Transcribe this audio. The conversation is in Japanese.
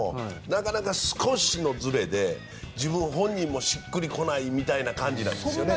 なかなか、少しのずれで自分、本人もしっくりこないみたいな感じなんですよね。